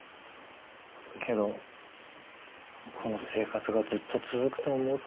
けどこの生活がずっと続くと思うと。